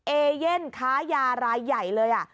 เอเย่นค้ายารายใหญ่เลย